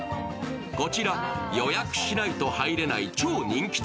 こちら予約しないと入れない超人気店。